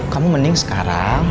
kamu mending sekarang